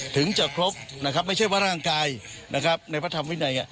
ถึงจะครบนะครับไม่ใช่ว่าร่างกายนะครับในพระธรรมวินัย